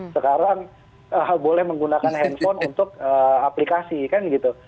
sekarang boleh menggunakan handphone untuk aplikasi